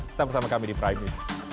sampai bersama kami di prime